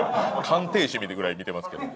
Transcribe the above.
鑑定士ぐらい見てますけど。